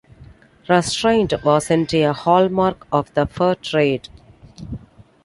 Restraint wasn't a hallmark of the fur trade.